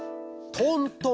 トントン？